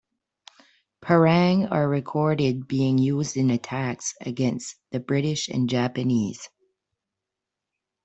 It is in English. Parang are recorded being used in attacks against the British and Japanese.